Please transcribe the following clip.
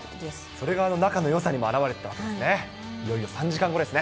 それが仲のよさにも表れてたんですね。